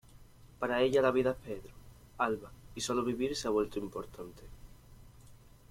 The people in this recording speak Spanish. Para ella, la vida es Pedro, Alba, y solo vivir se ha vuelto importante.